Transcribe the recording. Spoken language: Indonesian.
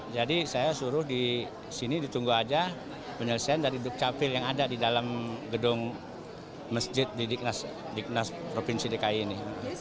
jadi saya suruh di sini ditunggu aja penyelesaian dari dukcavil yang ada di dalam gedung masjid di dinas provinsi dki ini